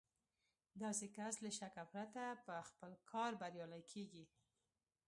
داسې کس له شکه پرته په خپل کار بريالی کېږي.